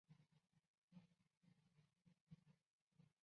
恩波利于九月尾底胜出欧洲大赛。